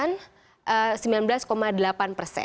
ini juga sudah dikatakan oleh pemilu terpercaya